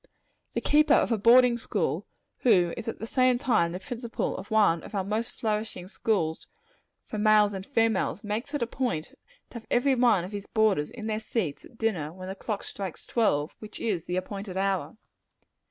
The keeper of a boarding house, who is at the same time the principal of one of our most flourishing schools for both males and females, makes it a point to have every one of his boarders in their seats at dinner, when the clock strikes twelve, which is the appointed hour.